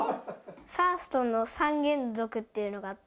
さー須トンの３原則っていうのが合って。